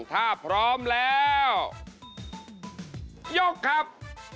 ถ้าพร้อมแล้วยกครับ